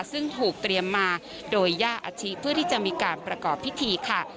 ซึ่งถูกเตรียมมาโดยย่าอาชิเพื่อที่จะมีการประกอบพิธีค่ะ